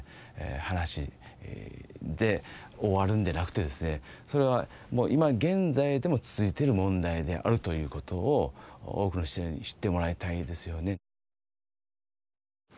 話で終わるんでなくてですねそれは今現在でも続いている問題であるということを多くの人に知ってもらいたいですよね